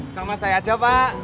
sama saya aja pak